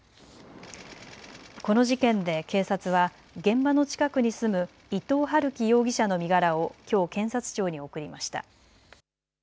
この事件で警察は現場の近くに住む伊藤龍稀容疑者の身柄をきょう検察庁に送りました。